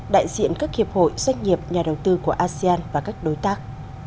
đại diện các hiệp hội doanh nghiệp nhà đầu tư của asean và các đối tác